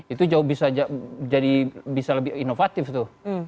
itu jauh bisa jadi bisa lebih inovatif tuh